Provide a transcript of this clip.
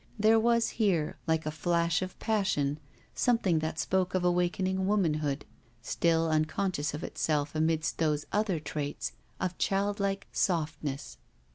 There was here, like a flash of passion, something that spoke of awakening womanhood, still unconscious of itself amidst those other traits of childlike softness.